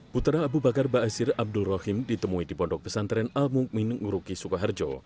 putera abu bakar ba'asir abdul rahim ditemui di pondok pesantren al mu'min nguruki sukaharjo